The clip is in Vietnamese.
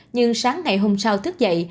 nhưng sáng ngày hôm sau thức dậy